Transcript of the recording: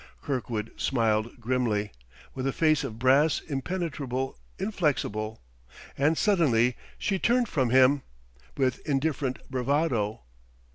Kirkwood smiled grimly, with a face of brass, impenetrable, inflexible. And suddenly she turned from him with indifferent bravado.